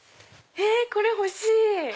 これ欲しい！